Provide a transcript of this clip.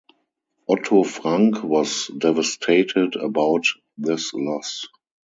Otto Frank was devastated about this loss.